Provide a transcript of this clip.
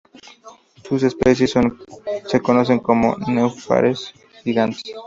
Sus especies se conocen como "nenúfares gigantes".